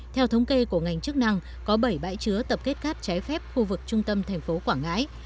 theo thống kê của ngành chức năng có bảy bãi chứa tập kết cát trái phép khu vực trung tâm thành phố quảng ngãi